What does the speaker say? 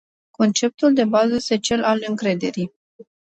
Conceptul de bază este cel al încrederii.